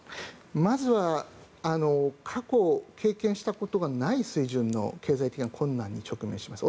まずは過去、経験したことがない水準の経済的な困難に直面します。